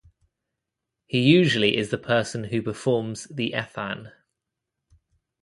He usually is the person who performs the athan.